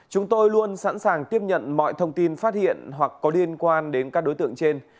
chúng tôi luôn sẵn sàng tiếp nhận mọi thông tin phát hiện hoặc có liên quan đến các đối tượng trên